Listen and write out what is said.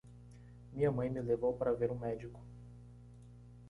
Minha mãe me levou para ver um médico.